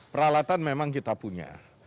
peralatan memang kita punya